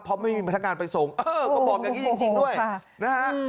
เพราะไม่มีพนักงานไปส่งเออก็บอกอย่างนี้จริงด้วยนะฮะ